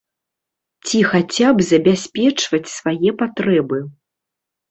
Ці хаця б забяспечваць свае патрэбы.